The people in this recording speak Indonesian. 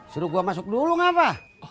suruh gue masuk dulu ngapa